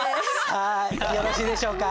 さあよろしいでしょうか。